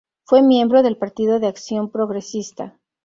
Fue miembro del Partido de Acción Progresista.